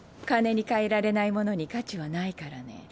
金に換えられないものに価値はないからね。